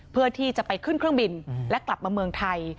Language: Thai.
เพื่อที่จะไปขึ้นเครื่องบินและกลับมาเมืองไทย